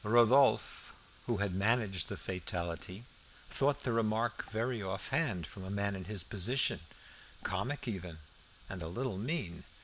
Rodolphe, who had managed the fatality, thought the remark very offhand from a man in his position, comic even, and a little mean.